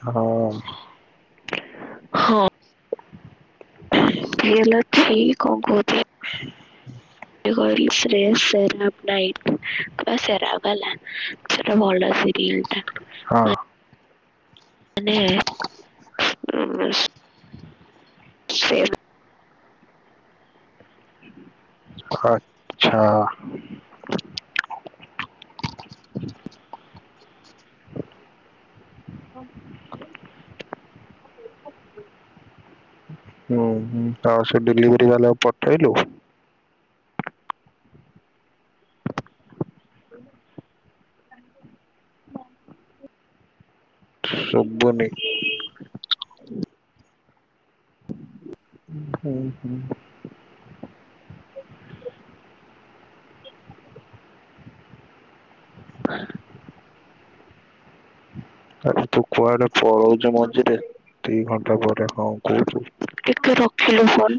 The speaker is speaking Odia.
ହଁ। ହଁ। [unintelligible] [unintelligible] ହ। ଯୋଉ କହିଲୁ ପ୍ରେସ ସେର ଅଫ ଲାଇଫ ବା ସେରା ବାଲା ସେଟା ଭଲ ସିରିଜ । ହଁ। ମାନେ ଉଁ । ସେ। ହୁଁ। ଆଛା। ହଁ। ହୁଁ ଆଉ ସେ ଡେଲିଭରି ବାଲା କୁ ପଠେଇଲୁ। [unintelligible] ଶୁଭୁନି [unintelligible] [unintelligible] ଉଁ ହୁଁ। ହଁ। ଆବେ ତୁ କୁଆଡେ । ପଳଉଚୁ ମଝିରେ ଦି ଘଣ୍ଟା ପରେ ହଁ କହୁଛୁ। ଟେଲିଫୋନ ।